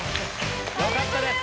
よかったです。